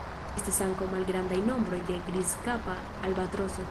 Estas ankaŭ malgrandaj nombroj de Grizkapa albatroso.